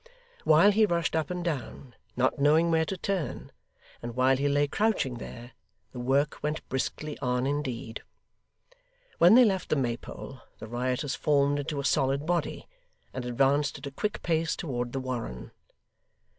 While he rushed up and down, not knowing where to turn, and while he lay crouching there, the work went briskly on indeed. When they left the Maypole, the rioters formed into a solid body, and advanced at a quick pace towards the Warren.